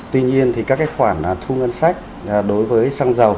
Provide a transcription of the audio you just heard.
tuy nhiên thì các cái khoản thu ngân sách đối với xăng dầu